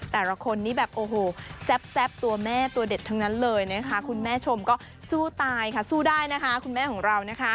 แต่ละคนนี้แบบโอ้โหแซ่บตัวแม่ตัวเด็ดทั้งนั้นเลยนะคะคุณแม่ชมก็สู้ตายค่ะสู้ได้นะคะคุณแม่ของเรานะคะ